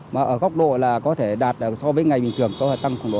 mà ở góc độ là có thể đạt so với ngày bình thường có thể tăng khoảng độ năm mươi